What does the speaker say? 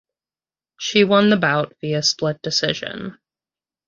She won the bout via split decision.